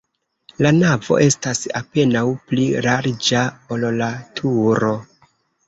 La navo estas apenaŭ pli larĝa, ol la turo.